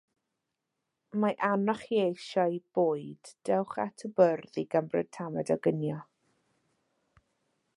Mae arnoch chi eisio bwyd; dowch at y bwrdd i gymryd tamed o ginio.